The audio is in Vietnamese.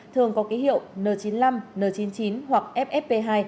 thường có ký hiệu n chín mươi năm n chín mươi chín hoặc fsp hai